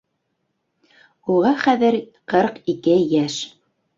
Уға хәҙер ҡырҡ ике йәш!